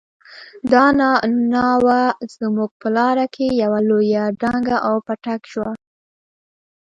دا ناوه زموږ په لاره کې يوه لويه ډانګه او پټک شو.